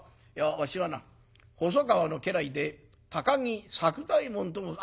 わしはな細川の家来で高木作久左右衛門と申す」。